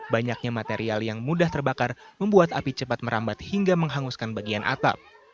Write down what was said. banyaknya material yang mudah terbakar membuat api cepat merambat hingga menghanguskan bagian atap